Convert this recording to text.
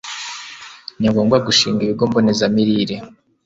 Ni ngombwa gushinga ibigo mbonezamirire